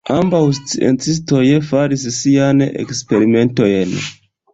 Ambaŭ sciencistoj faris siajn eksperimentojn.